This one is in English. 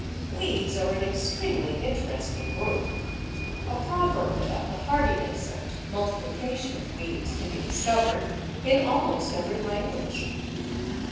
Weeds are an extremely interesting group. A proverb about the hardiness and multiplication of weeds can be discovered in almost every language.